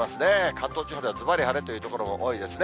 関東地方ではずばり晴れという所も多いですね。